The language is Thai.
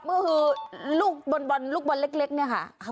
เหมือนคูยลูกบอลบอลเล็กนี่ค่ะ